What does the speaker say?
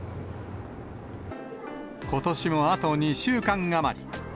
ことしもあと２週間余り。